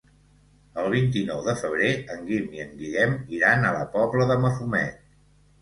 El vint-i-nou de febrer en Guim i en Guillem iran a la Pobla de Mafumet.